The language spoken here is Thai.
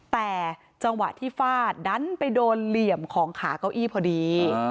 แต่จังหวะที่ฟาดดันไปโดนเหลี่ยมของขาเก้าอี้พอดี